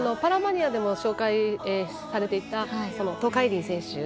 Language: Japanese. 「パラマニア」でも紹介された東海林選手。